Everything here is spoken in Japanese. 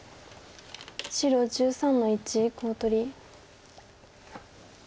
白１３の一コウ取り。